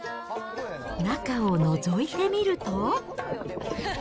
中をのぞいてみると。